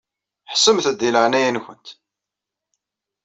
Ḥessemt-d di leɛnaya-nkent.